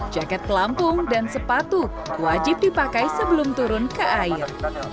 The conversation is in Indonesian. jaket pelampung dan sepatu wajib dipakai sebelum turun ke air